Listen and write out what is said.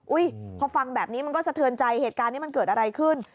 พอฟังแบบนี้มันก็สะเทือนใจเหตุการณ์นี้มันเกิดอะไรขึ้น